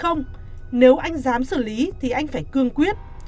nếu anh dám xử lý thì anh phải cương quyết